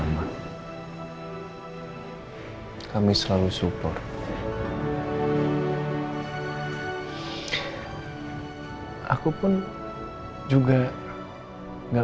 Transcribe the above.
maksud bapak ya